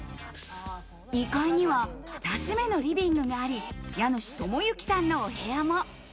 ２階には、２つ目のリビングがあり、家主・友行さんのお部屋も。